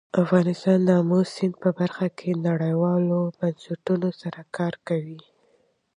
افغانستان د آمو سیند په برخه کې نړیوالو بنسټونو سره کار کوي.